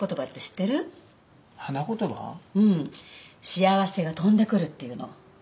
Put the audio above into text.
「幸せが飛んでくる」っていうの。